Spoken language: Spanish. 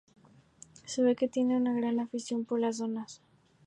Se ve que tiene una gran afición por las donas.